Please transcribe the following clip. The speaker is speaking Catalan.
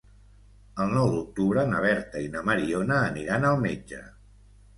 El nou d'octubre na Berta i na Mariona aniran al metge.